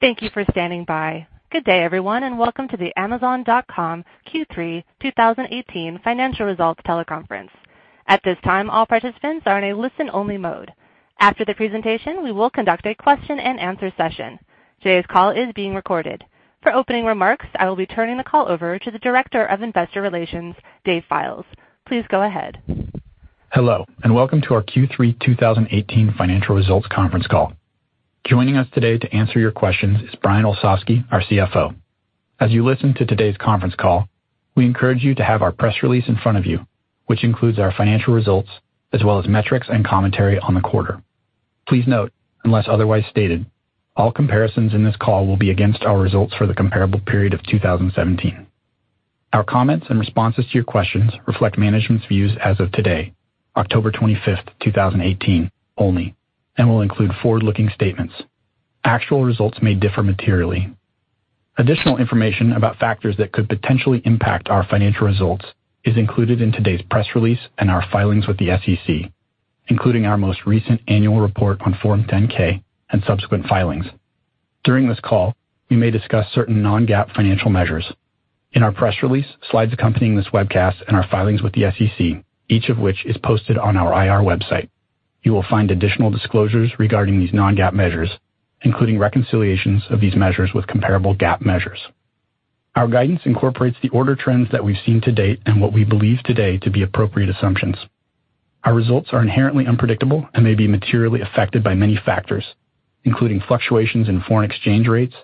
Thank you for standing by. Good day, everyone, and welcome to the Amazon.com Q3 2018 financial results teleconference. At this time, all participants are in a listen-only mode. After the presentation, we will conduct a question-and-answer session. Today's call is being recorded. For opening remarks, I will be turning the call over to the Director of Investor Relations, Dave Fildes. Please go ahead. Hello, welcome to our Q3 2018 financial results conference call. Joining us today to answer your questions is Brian Olsavsky, our CFO. As you listen to today's conference call, we encourage you to have our press release in front of you, which includes our financial results, as well as metrics and commentary on the quarter. Please note, unless otherwise stated, all comparisons in this call will be against our results for the comparable period of 2017. Our comments and responses to your questions reflect management's views as of today, October 25th, 2018, only, and will include forward-looking statements. Actual results may differ materially. Additional information about factors that could potentially impact our financial results is included in today's press release and our filings with the SEC, including our most recent annual report on Form 10-K and subsequent filings. During this call, we may discuss certain non-GAAP financial measures. In our press release, slides accompanying this webcast, our filings with the SEC, each of which is posted on our IR website, you will find additional disclosures regarding these non-GAAP measures, including reconciliations of these measures with comparable GAAP measures. Our guidance incorporates the order trends that we've seen to date and what we believe today to be appropriate assumptions. Our results are inherently unpredictable and may be materially affected by many factors, including fluctuations in foreign exchange rates,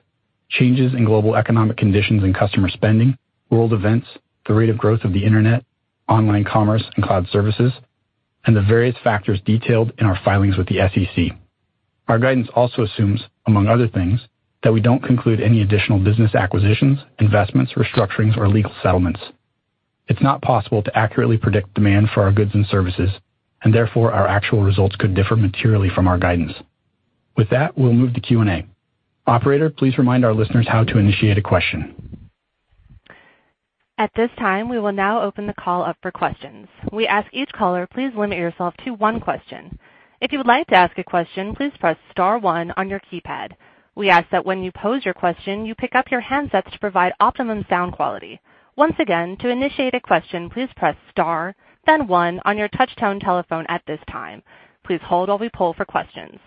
changes in global economic conditions and customer spending, world events, the rate of growth of the internet, online commerce, and cloud services, the various factors detailed in our filings with the SEC. Our guidance also assumes, among other things, that we don't conclude any additional business acquisitions, investments, restructurings, or legal settlements. It's not possible to accurately predict demand for our goods and services, therefore, our actual results could differ materially from our guidance. With that, we'll move to Q&A. Operator, please remind our listeners how to initiate a question. At this time, we will now open the call up for questions. We ask each caller, please limit yourself to one question. If you would like to ask a question, please press star one on your keypad. We ask that when you pose your question, you pick up your handsets to provide optimum sound quality. Once again, to initiate a question, please press star, then one on your touch-tone telephone at this time. Please hold while we poll for questions.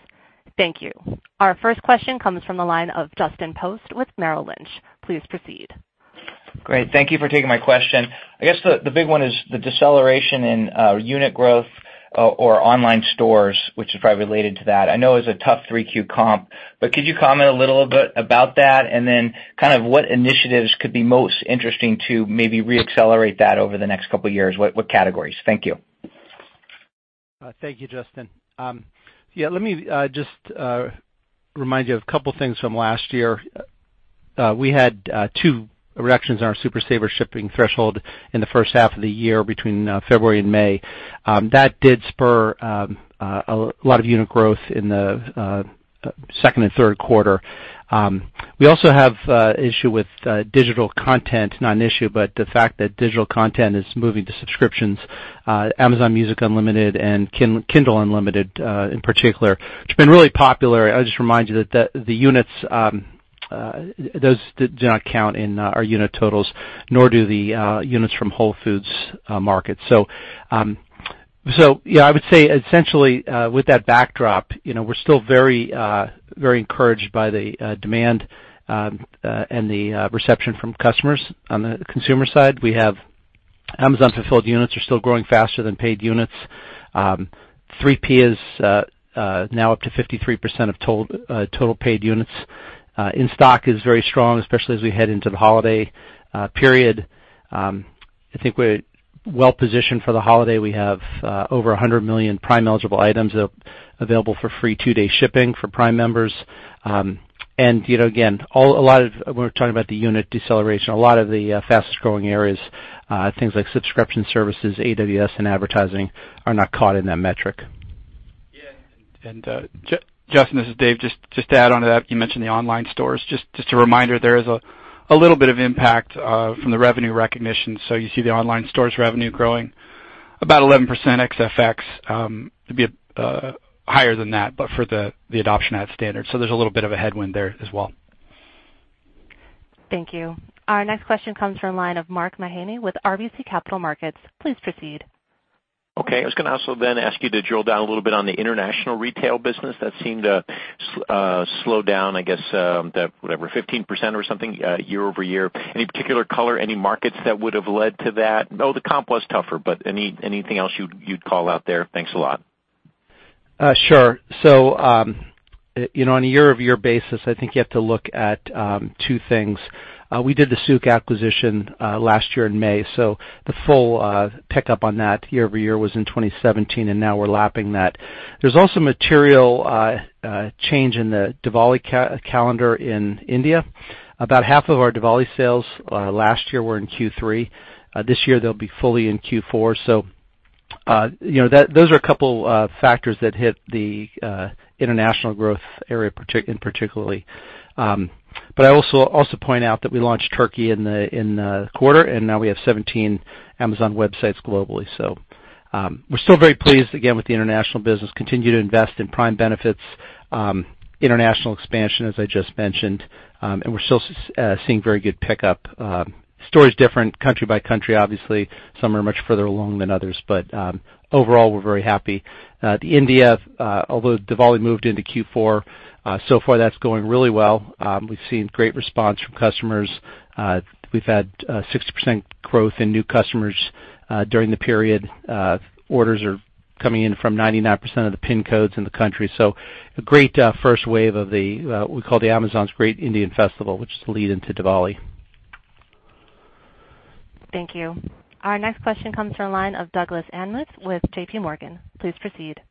Thank you. Our first question comes from the line of Justin Post with Merrill Lynch. Please proceed. Great. Thank you for taking my question. I guess the big one is the deceleration in unit growth or online stores, which is probably related to that. I know it was a tough 3Q comp, but could you comment a little bit about that, and then what initiatives could be most interesting to maybe re-accelerate that over the next couple of years? What categories? Thank you. Thank you, Justin. Let me just remind you of a couple of things from last year. We had two reductions in our Super Saver Shipping threshold in the first half of the year between February and May. That did spur a lot of unit growth in the second and third quarter. We also have issue with digital content, not an issue, but the fact that digital content is moving to subscriptions, Amazon Music Unlimited and Kindle Unlimited in particular, which has been really popular. I would just remind you that the units, those do not count in our unit totals, nor do the units from Whole Foods Market. I would say essentially, with that backdrop, we're still very encouraged by the demand and the reception from customers on the consumer side. We have Amazon fulfilled units are still growing faster than paid units. 3P is now up to 53% of total paid units. In-stock is very strong, especially as we head into the holiday period. I think we're well-positioned for the holiday. We have over 100 million Prime eligible items available for free two-day shipping for Prime members. When we're talking about the unit deceleration, a lot of the fastest-growing areas, things like subscription services, AWS, and advertising are not caught in that metric. Justin, this is Dave. Just to add on to that, you mentioned the online stores. Just a reminder, there is a little bit of impact from the revenue recognition. You see the online stores revenue growing about 11% ex FX, to be higher than that, but for the adoption at standard. There's a little bit of a headwind there as well. Thank you. Our next question comes from the line of Mark Mahaney with RBC Capital Markets. Please proceed. I was going to also ask you to drill down a little bit on the international retail business. That seemed to slow down, I guess, whatever, 15% or something year-over-year. Any particular color, any markets that would have led to that? I know the comp was tougher, but anything else you'd call out there? Thanks a lot. Sure. On a year-over-year basis, I think you have to look at two things. We did the Souq.com acquisition last year in May, the full pick-up on that year-over-year was in 2017, and now we're lapping that. There's also material change in the Diwali calendar in India. About half of our Diwali sales last year were in Q3. This year, they'll be fully in Q4. Those are a couple of factors that hit the international growth area in particularly. I also point out that we launched Turkey in the quarter, and now we have 17 Amazon websites globally. We're still very pleased, again, with the international business. Continue to invest in Prime benefits, international expansion, as I just mentioned, and we're still seeing very good pickup. Story's different country by country, obviously. Some are much further along than others, but overall, we're very happy. The India, although Diwali moved into Q4, so far that's going really well. We've seen great response from customers. We've had 60% growth in new customers during the period. Orders are coming in from 99% of the PIN codes in the country. A great first wave of the, we call the Amazon Great Indian Festival, which is the lead into Diwali. Thank you. Our next question comes from line of Douglas Anmuth with JPMorgan. Please proceed.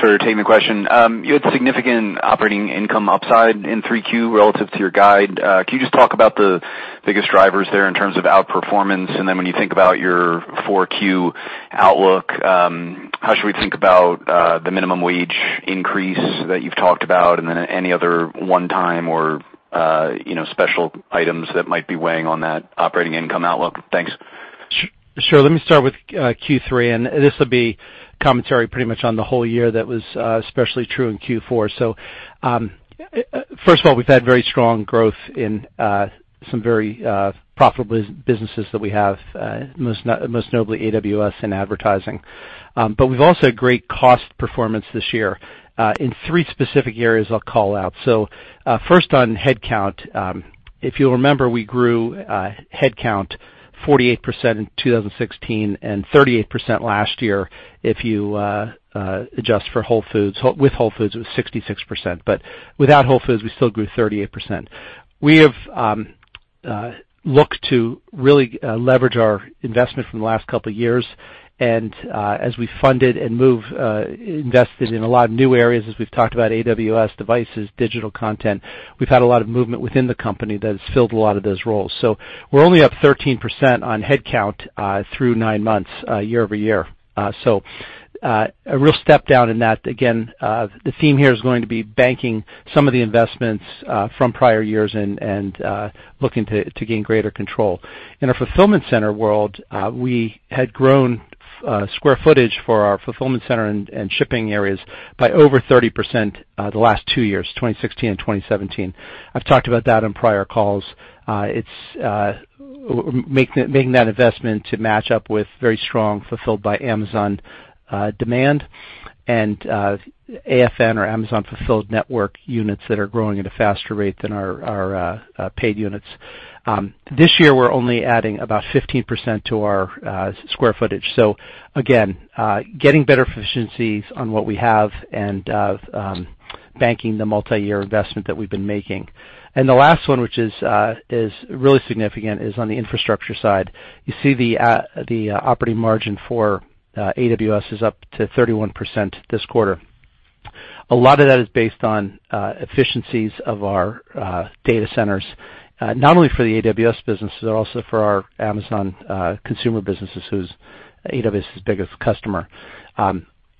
Thanks for taking the question. You had significant operating income upside in 3Q relative to your guide. Can you just talk about the biggest drivers there in terms of outperformance? When you think about your 4Q outlook, how should we think about the minimum wage increase that you've talked about, and then any other one-time or special items that might be weighing on that operating income outlook? Thanks. Sure. Let me start with Q3, this will be commentary pretty much on the whole year that was especially true in Q4. First of all, we've had very strong growth in some very profitable businesses that we have, most notably AWS and advertising. We've also had great cost performance this year, in three specific areas I'll call out. First on headcount. If you'll remember, we grew headcount 48% in 2016 and 38% last year if you adjust for Whole Foods. With Whole Foods, it was 66%, without Whole Foods, we still grew 38%. We have looked to really leverage our investment from the last couple of years, as we funded and moved, invested in a lot of new areas, as we've talked about AWS, devices, digital content, we've had a lot of movement within the company that has filled a lot of those roles. We're only up 13% on headcount through nine months year-over-year. A real step down in that. Again, the theme here is going to be banking some of the investments from prior years and looking to gain greater control. In our fulfillment center world, we had grown square footage for our fulfillment center and shipping areas by over 30% the last two years, 2016 and 2017. I've talked about that on prior calls. It's making that investment to match up with very strong Fulfilled by Amazon demand, and AFN or Amazon Fulfillment Network units that are growing at a faster rate than our paid units. This year we're only adding about 15% to our square footage. Again, getting better efficiencies on what we have and banking the multi-year investment that we've been making. The last one, which is really significant, is on the infrastructure side. You see the operating margin for AWS is up to 31% this quarter. A lot of that is based on efficiencies of our data centers, not only for the AWS businesses, but also for our Amazon consumer businesses, who's AWS' biggest customer.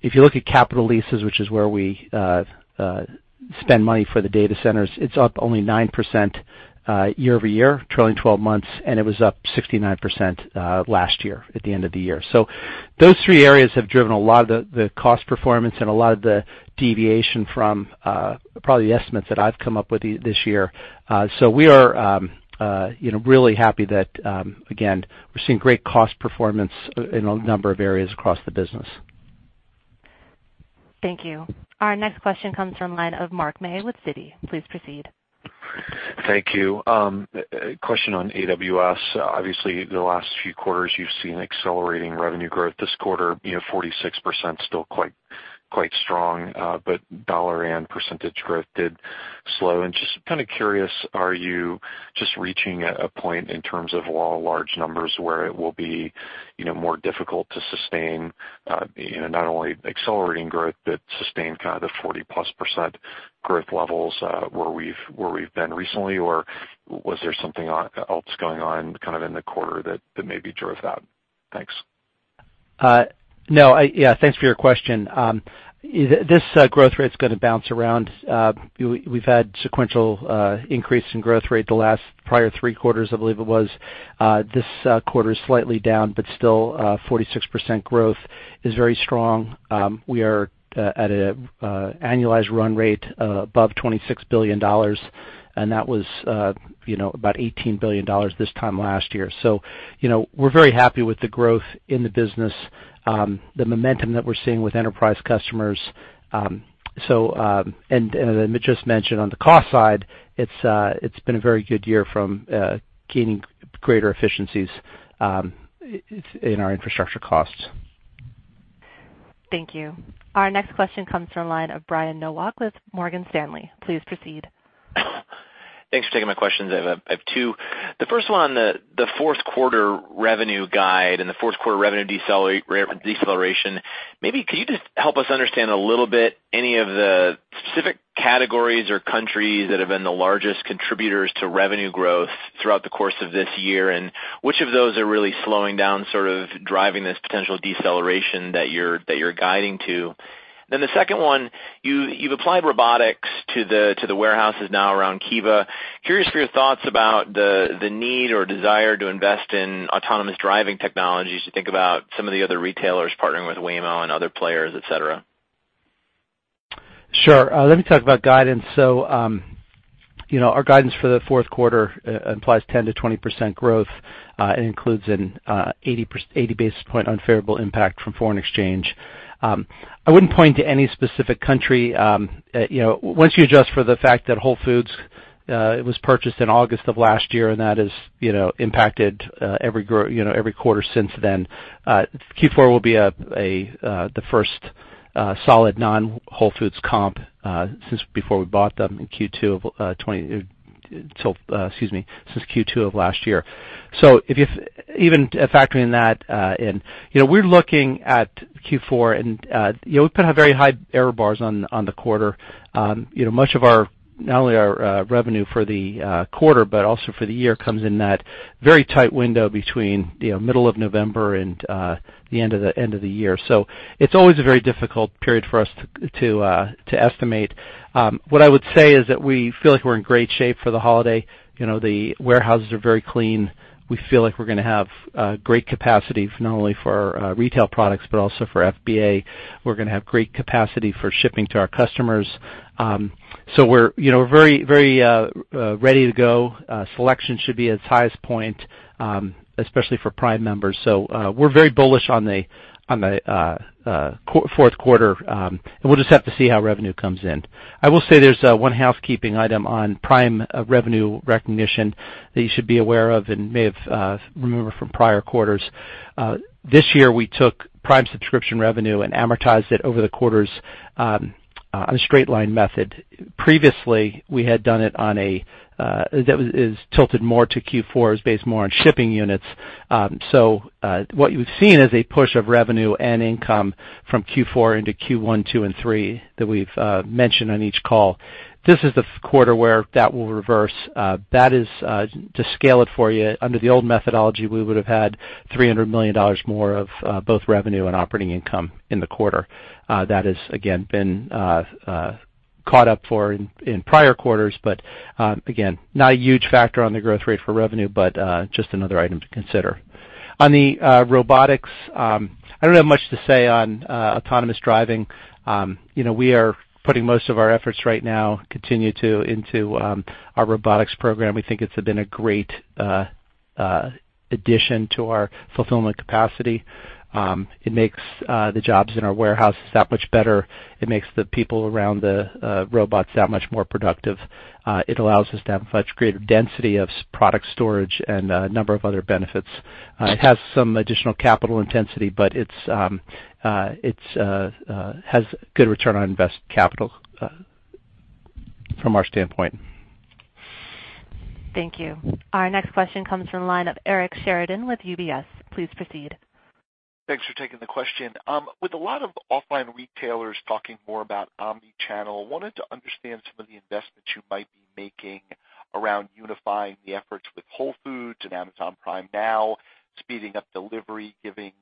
If you look at capital leases, which is where we spend money for the data centers, it's up only 9% year-over-year, trailing 12 months, and it was up 69% last year at the end of the year. Those three areas have driven a lot of the cost performance and a lot of the deviation from probably the estimates that I've come up with this year. We are really happy that, again, we're seeing great cost performance in a number of areas across the business. Thank you. Our next question comes from line of Mark May with Citi. Please proceed. Thank you. Question on AWS. Obviously, the last few quarters you've seen accelerating revenue growth. This quarter, 46% still quite strong, but dollar and percentage growth did slow. Just kind of curious, are you just reaching a point in terms of law of large numbers where it will be more difficult to sustain not only accelerating growth, but sustain kind of the 40-plus percent growth levels where we've been recently, or was there something else going on kind of in the quarter that maybe drove that? Thanks. No. Thanks for your question. This growth rate's going to bounce around. We've had sequential increase in growth rate the last prior three quarters, I believe it was. This quarter is slightly down, but still 46% growth is very strong. We are at an annualized run rate above $26 billion, and that was about $18 billion this time last year. We're very happy with the growth in the business, the momentum that we're seeing with enterprise customers. As Amit just mentioned, on the cost side, it's been a very good year from gaining greater efficiencies in our infrastructure costs. Thank you. Our next question comes from line of Brian Nowak with Morgan Stanley. Please proceed. Thanks for taking my questions. I have two. The first one, the fourth quarter revenue guide and the fourth quarter revenue deceleration. Maybe could you just help us understand a little bit any of the specific categories or countries that have been the largest contributors to revenue growth throughout the course of this year, and which of those are really slowing down sort of driving this potential deceleration that you're guiding to? The second one, you've applied robotics to the warehouses now around Kiva. Curious for your thoughts about the need or desire to invest in autonomous driving technologies. You think about some of the other retailers partnering with Waymo and other players, et cetera. Sure. Let me talk about guidance. Our guidance for the fourth quarter implies 10%-20% growth, and includes an 80 basis point unfavorable impact from foreign exchange. I wouldn't point to any specific country. Once you adjust for the fact that Whole Foods, it was purchased in August of last year, and that has impacted every quarter since then. Q4 will be the first solid non-Whole Foods comp since Q2 of last year. Even factoring that in, we're looking at Q4, and we put very high error bars on the quarter. Much of not only our revenue for the quarter, but also for the year, comes in that very tight window between middle of November and the end of the year. It's always a very difficult period for us to estimate. What I would say is that we feel like we're in great shape for the holiday. The warehouses are very clean. We feel like we're going to have great capacity not only for our retail products, but also for FBA. We're going to have great capacity for shipping to our customers. We're very ready to go. Selection should be at its highest point, especially for Prime members. We're very bullish on the fourth quarter, and we'll just have to see how revenue comes in. I will say there's one housekeeping item on Prime revenue recognition that you should be aware of and may have remembered from prior quarters. This year, we took Prime subscription revenue and amortized it over the quarters on a straight line method. Previously, we had done it on a, that was tilted more to Q4. It was based more on shipping units. What you've seen is a push of revenue and income from Q4 into Q1, Q2, and Q3 that we've mentioned on each call. This is the quarter where that will reverse. That is, to scale it for you, under the old methodology, we would have had $300 million more of both revenue and operating income in the quarter. That has again, been caught up for in prior quarters. Again, not a huge factor on the growth rate for revenue, but just another item to consider. On the robotics, I don't have much to say on autonomous driving. We are putting most of our efforts right now, continue to, into our robotics program. We think it's been a great addition to our fulfillment capacity. It makes the jobs in our warehouses that much better. It makes the people around the robots that much more productive. It allows us to have much greater density of product storage and a number of other benefits. It has some additional capital intensity, but it has good return on invest capital from our standpoint. Thank you. Our next question comes from the line of Eric Sheridan with UBS. Please proceed. Thanks for taking the question. With a lot of offline retailers talking more about omnichannel, I wanted to understand some of the investments you might be making around unifying the efforts with Whole Foods and Amazon Prime Now, speeding up delivery, giving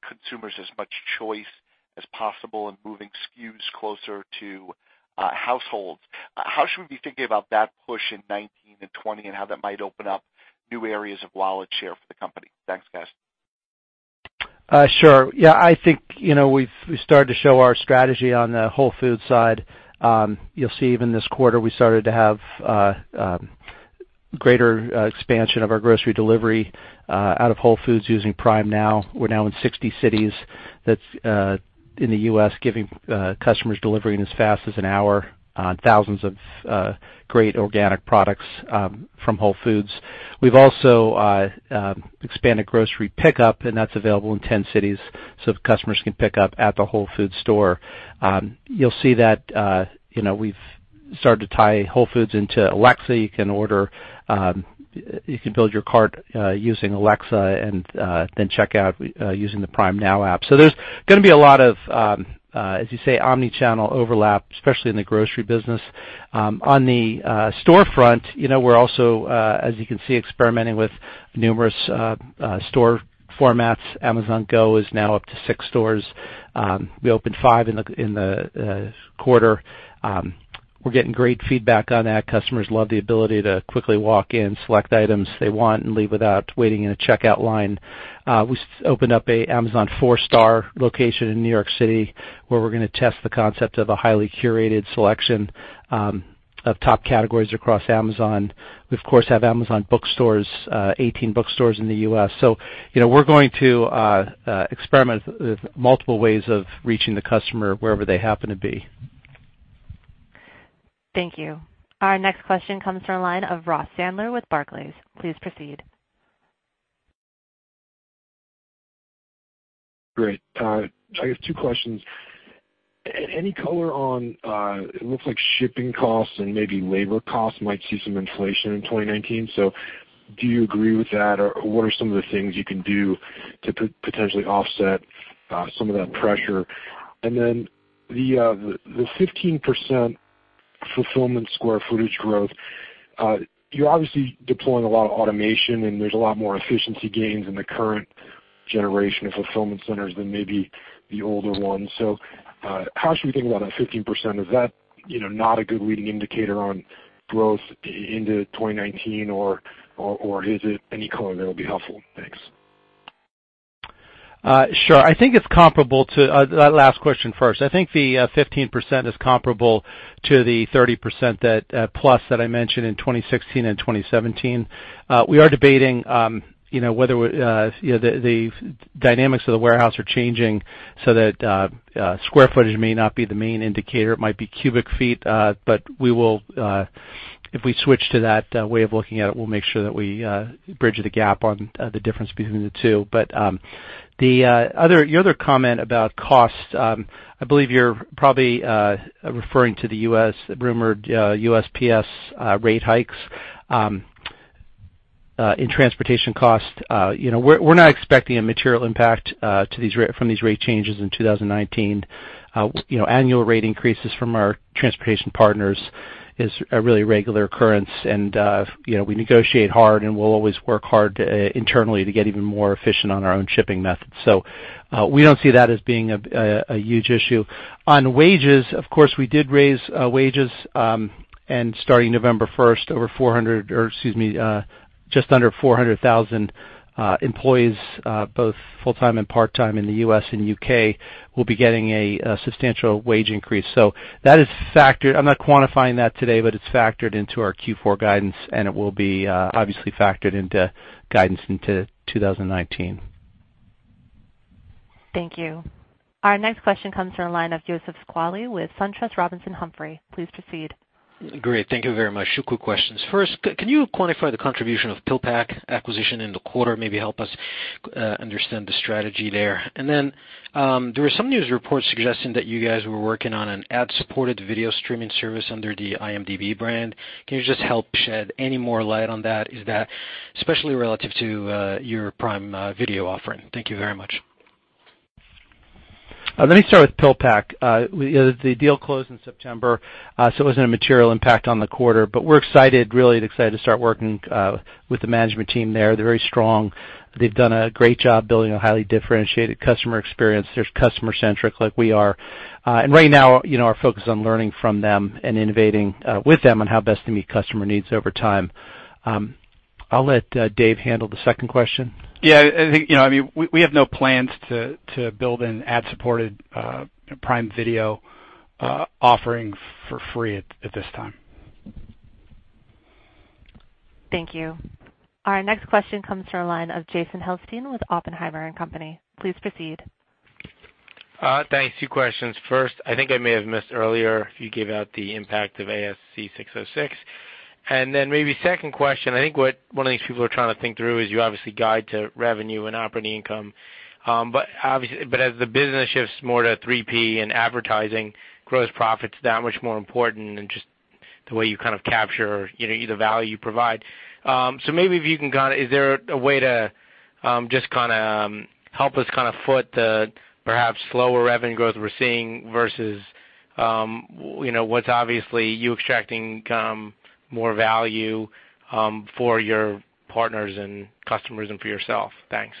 consumers as much choice as possible, and moving SKUs closer to households. How should we be thinking about that push in 2019 and 2020, and how that might open up new areas of wallet share for the company? Thanks, guys. Sure. Yeah, I think we've started to show our strategy on the Whole Foods side. You'll see even this quarter, we started to have greater expansion of our grocery delivery out of Whole Foods using Prime Now. We're now in 60 cities in the U.S., giving customers delivery in as fast as an hour on thousands of great organic products from Whole Foods. We've also expanded grocery pickup, and that's available in 10 cities, so customers can pick up at the Whole Foods store. You'll see that we've started to tie Whole Foods into Alexa. You can build your cart using Alexa and then check out using the Prime Now app. There's going to be a lot of, as you say, omnichannel overlap, especially in the grocery business. On the storefront, we're also, as you can see, experimenting with numerous store formats. Amazon Go is now up to six stores. We opened five in the quarter. We're getting great feedback on that. Customers love the ability to quickly walk in, select items they want, and leave without waiting in a checkout line. We opened up an Amazon 4-Star location in New York City, where we're going to test the concept of a highly curated selection of top categories across Amazon. We, of course, have Amazon bookstores, 18 bookstores in the U.S. We're going to experiment with multiple ways of reaching the customer wherever they happen to be. Thank you. Our next question comes from the line of Ross Sandler with Barclays. Please proceed. Great. I have two questions. Any color on, it looks like shipping costs and maybe labor costs might see some inflation in 2019. Do you agree with that, or what are some of the things you can do to potentially offset some of that pressure? The 15% fulfillment square footage growth. You're obviously deploying a lot of automation, and there's a lot more efficiency gains in the current generation of fulfillment centers than maybe the older ones. How should we think about that 15%? Is that not a good leading indicator on growth into 2019, or is it any color that'll be helpful? Thanks. Sure. That last question first. I think the 15% is comparable to the 30% plus that I mentioned in 2016 and 2017. We are debating whether the dynamics of the warehouse are changing so that square footage may not be the main indicator. It might be cubic feet. If we switch to that way of looking at it, we'll make sure that we bridge the gap on the difference between the two. Your other comment about cost, I believe you're probably referring to the rumored USPS rate hikes in transportation costs. We're not expecting a material impact from these rate changes in 2019. Annual rate increases from our transportation partners is a really regular occurrence, and we negotiate hard, and we'll always work hard internally to get even more efficient on our own shipping methods. We don't see that as being a huge issue. On wages, of course, we did raise wages. Starting November 1st, just under 400,000 employees, both full-time and part-time in the U.S. and U.K., will be getting a substantial wage increase. That is factored. I'm not quantifying that today, but it's factored into our Q4 guidance, and it will be obviously factored into guidance into 2019. Thank you. Our next question comes from the line of Youssef Squali with SunTrust Robinson Humphrey. Please proceed. Great. Thank you very much. Two quick questions. First, can you quantify the contribution of PillPack acquisition in the quarter? Maybe help us understand the strategy there. There were some news reports suggesting that you guys were working on an ad-supported video streaming service under the IMDb brand. Can you just help shed any more light on that, especially relative to your Prime Video offering? Thank you very much. Let me start with PillPack. The deal closed in September, so it wasn't a material impact on the quarter. We're excited, really excited to start working with the management team there. They're very strong. They've done a great job building a highly differentiated customer experience. They're customer-centric like we are. Right now, our focus on learning from them and innovating with them on how best to meet customer needs over time. I'll let Dave handle the second question. Yeah. We have no plans to build an ad-supported Prime Video offering for free at this time. Thank you. Our next question comes from the line of Jason Helfstein with Oppenheimer & Company. Please proceed. Thanks. Two questions. First, I think I may have missed earlier if you gave out the impact of ASC 606. Second question, I think what one of these people are trying to think through is you obviously guide to revenue and operating income. As the business shifts more to 3P and advertising, gross profit's that much more important than just the way you kind of capture the value you provide. Maybe if you can guide, is there a way to just help us foot the perhaps slower revenue growth we're seeing versus what's obviously you extracting more value for your partners and customers and for yourself? Thanks.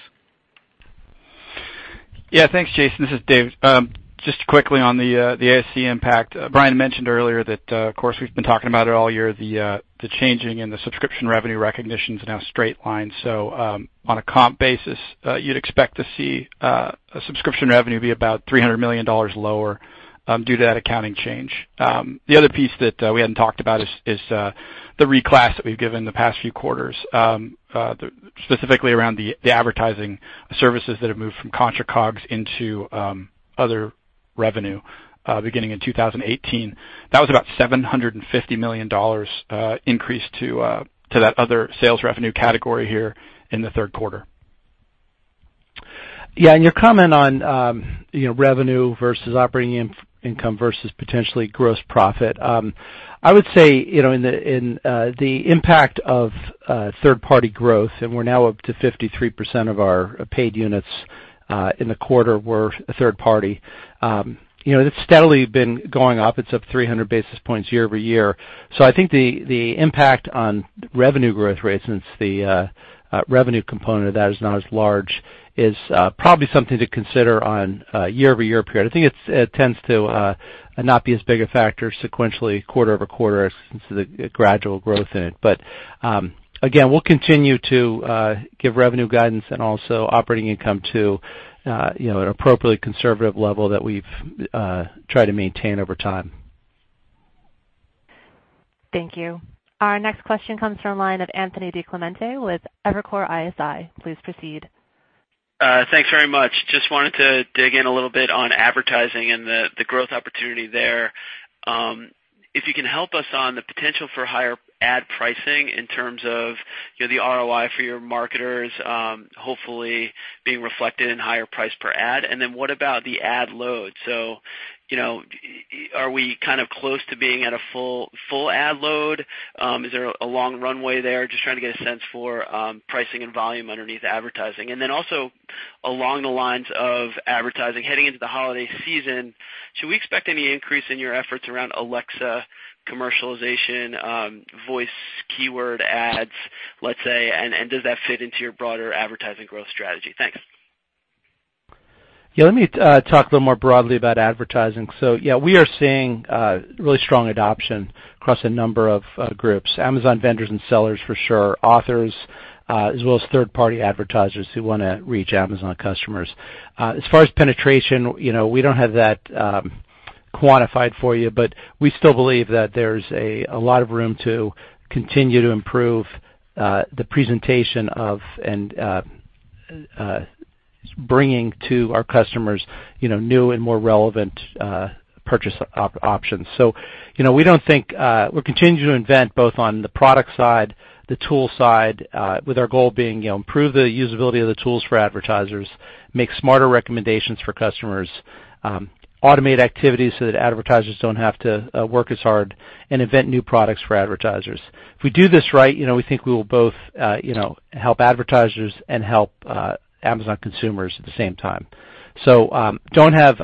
Thanks, Jason. This is Dave. Just quickly on the ASC impact. Brian mentioned earlier that, of course, we've been talking about it all year, the changing in the subscription revenue recognition's now straight line. On a comp basis, you'd expect to see subscription revenue be about $300 million lower due to that accounting change. The other piece that we hadn't talked about is the reclass that we've given the past few quarters, specifically around the advertising services that have moved from contra COGS into other revenue beginning in 2018. That was about $750 million increase to that other sales revenue category here in the third quarter. Your comment on revenue versus operating income versus potentially gross profit. I would say, in the impact of third-party growth, we're now up to 53% of our paid units in the quarter were third party. It's steadily been going up. It's up 300 basis points year-over-year. I think the impact on revenue growth rate, since the revenue component of that is not as large, is probably something to consider on a year-over-year period. I think it tends to not be as big a factor sequentially quarter-over-quarter since the gradual growth in it. We'll continue to give revenue guidance and also operating income to an appropriately conservative level that we've tried to maintain over time. Thank you. Our next question comes from the line of Anthony DiClemente with Evercore ISI. Please proceed. Thanks very much. Just wanted to dig in a little bit on advertising and the growth opportunity there. If you can help us on the potential for higher ad pricing in terms of the ROI for your marketers hopefully being reflected in higher price per ad. What about the ad load? Are we kind of close to being at a full ad load? Is there a long runway there? Just trying to get a sense for pricing and volume underneath advertising. Along the lines of advertising heading into the holiday season, should we expect any increase in your efforts around Alexa commercialization, voice keyword ads, let's say, and does that fit into your broader advertising growth strategy? Thanks. Let me talk a little more broadly about advertising. We are seeing really strong adoption across a number of groups, Amazon vendors and sellers for sure, authors, as well as third-party advertisers who want to reach Amazon customers. As far as penetration, we don't have that quantified for you, but we still believe that there's a lot of room to continue to improve the presentation of, and bringing to our customers new and more relevant purchase options. We're continuing to invent both on the product side, the tool side, with our goal being improve the usability of the tools for advertisers, make smarter recommendations for customers, automate activities so that advertisers don't have to work as hard, and invent new products for advertisers. If we do this right, we think we will both help advertisers and help Amazon consumers at the same time. I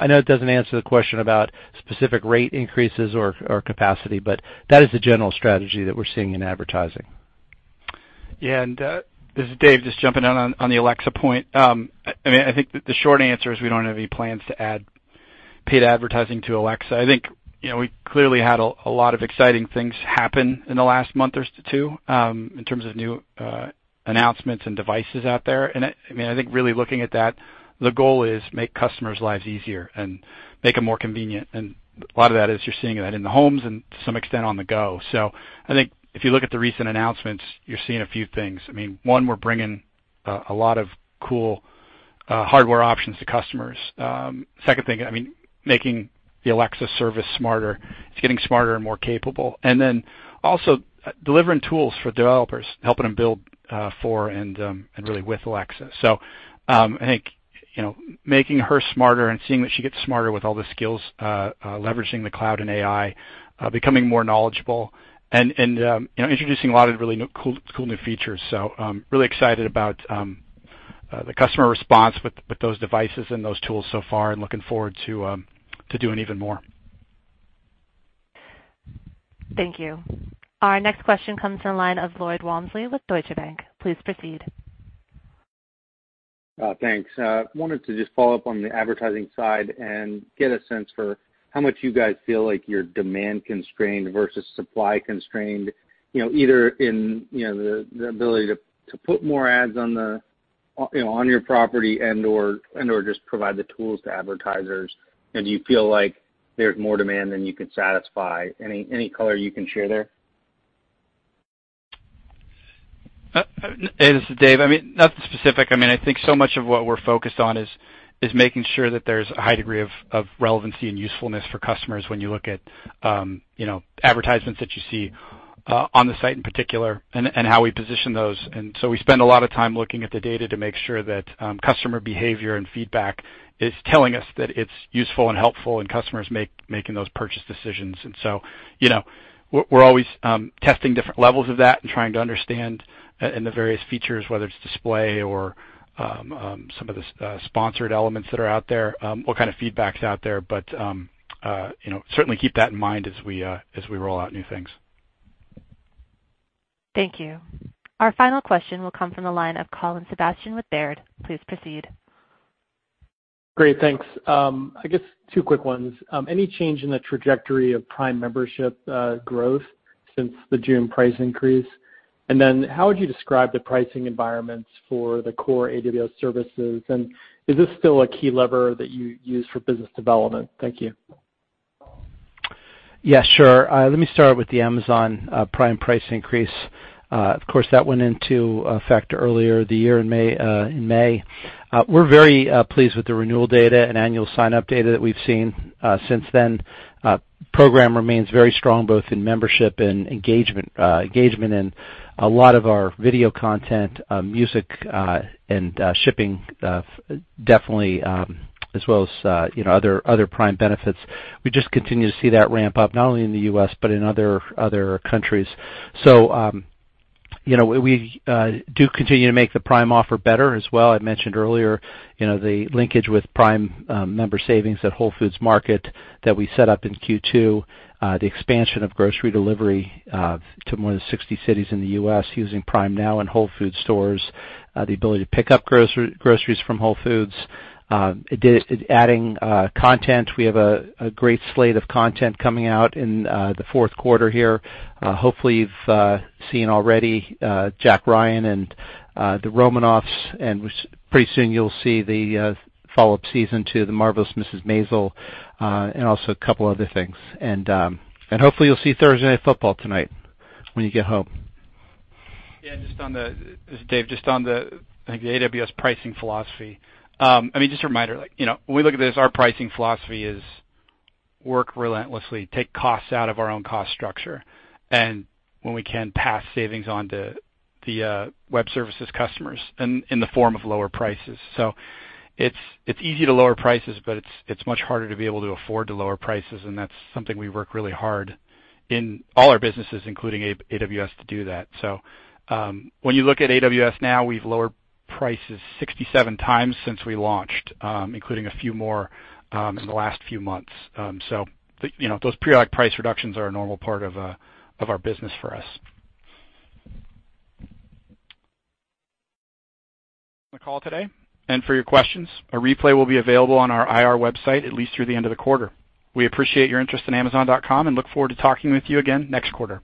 know it doesn't answer the question about specific rate increases or capacity, but that is the general strategy that we're seeing in advertising. This is Dave, just jumping in on the Alexa point. The short answer is we don't have any plans to add paid advertising to Alexa. We clearly had a lot of exciting things happen in the last month or two, in terms of new announcements and devices out there. The goal is make customers' lives easier, and make them more convenient. A lot of that is you're seeing that in the homes, and to some extent on the go. If you look at the recent announcements, you're seeing a few things. One, we're bringing a lot of cool hardware options to customers. Second thing, making the Alexa service smarter. It's getting smarter and more capable. Delivering tools for developers, helping them build for and really with Alexa. I think, making her smarter and seeing that she gets smarter with all the skills, leveraging the cloud and AI, becoming more knowledgeable, and introducing a lot of really cool new features. Really excited about the customer response with those devices and those tools so far, and looking forward to doing even more. Thank you. Our next question comes from the line of Lloyd Walmsley with Deutsche Bank. Please proceed. Thanks. Wanted to just follow up on the advertising side, and get a sense for how much you guys feel like you're demand constrained versus supply constrained, either in the ability to put more ads on your property and/or just provide the tools to advertisers. Do you feel like there's more demand than you can satisfy? Any color you can share there? This is Dave. Nothing specific. I think so much of what we're focused on is making sure that there's a high degree of relevancy and usefulness for customers when you look at advertisements that you see on the site in particular, and how we position those. We spend a lot of time looking at the data to make sure that customer behavior and feedback is telling us that it's useful and helpful, and customers making those purchase decisions. We're always testing different levels of that and trying to understand in the various features, whether it's display or some of the sponsored elements that are out there, what kind of feedback's out there. Certainly keep that in mind as we roll out new things. Thank you. Our final question will come from the line of Colin Sebastian with Baird. Please proceed. Great. Thanks. I guess two quick ones. Any change in the trajectory of Prime membership growth since the June price increase? How would you describe the pricing environments for the core AWS services? Is this still a key lever that you use for business development? Thank you. Yeah, sure. Let me start with the Amazon Prime price increase. Of course, that went into effect earlier the year in May. We're very pleased with the renewal data and annual sign-up data that we've seen since then. Program remains very strong, both in membership and engagement, in a lot of our video content, music, and shipping, definitely, as well as other Prime benefits. We just continue to see that ramp up, not only in the U.S., but in other countries. We do continue to make the Prime offer better as well. I mentioned earlier, the linkage with Prime member savings at Whole Foods Market that we set up in Q2, the expansion of grocery delivery to more than 60 cities in the U.S. using Prime Now in Whole Foods stores, the ability to pick up groceries from Whole Foods. Adding content. We have a great slate of content coming out in the fourth quarter here. Hopefully you've seen already "Jack Ryan" and "The Romanoffs," and pretty soon you'll see the follow-up season to "The Marvelous Mrs. Maisel," and also a couple other things. Hopefully you'll see Thursday Night Football tonight when you get home. Yeah. This is Dave. Just on the AWS pricing philosophy. Just a reminder, when we look at this, our pricing philosophy is work relentlessly, take costs out of our own cost structure, and when we can, pass savings on to the web services customers in the form of lower prices. It's easy to lower prices, but it's much harder to be able to afford to lower prices, and that's something we work really hard in all our businesses, including AWS, to do that. When you look at AWS now, we've lowered prices 67 times since we launched, including a few more in the last few months. Those periodic price reductions are a normal part of our business for us. The call today, and for your questions. A replay will be available on our IR website at least through the end of the quarter. We appreciate your interest in amazon.com, and look forward to talking with you again next quarter.